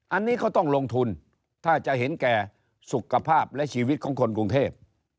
อันนี้ก็ต้องลงทุนถ้าจะเห็นแก่สุขภาพและชีวิตของคนกรุงเทพ